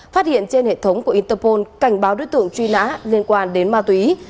phát hiện trên hệ thống của interpol cảnh báo đối tượng truy nã liên quan đến ma túy